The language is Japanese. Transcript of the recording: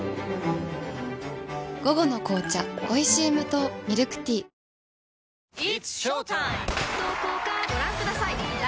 午後の紅茶おいしい無糖ミルクティー早起き朝活